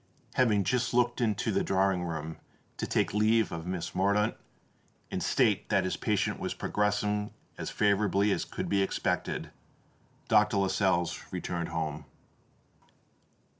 Having just looked into the drawing room, to take leave of Miss Mordaunt, and state that his patient was progressing as favourably as could be expected, Dr. Lascelles returned home.